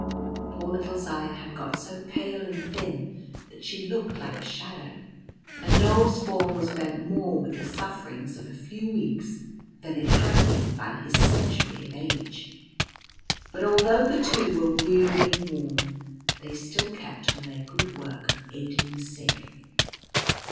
Poor little Zaya had got so pale and thin that she looked like a shadow, and Knoal's form was bent more with the sufferings of a few weeks than it had been by his century of age. But although the two were weary and worn, they still kept on their good work of aiding the sick.